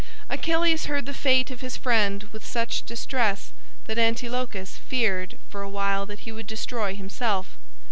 Achilles heard the fate of his friend with such distress that Antilochus feared for a while that he would destroy himself.